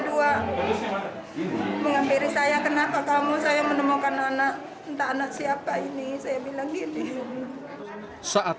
dua menghampiri saya kenapa kamu saya menemukan anak entah anak siapa ini saya bilang gini saat